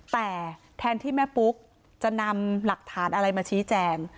แต่แทนที่แม่ปุ๊กจะนำหลักฐานอะไรมาชี้แจง